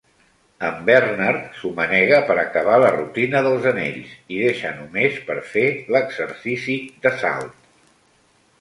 En Bernard s'ho manega per acabar la rutina dels anells i deixar només per fer l'exercici de salt.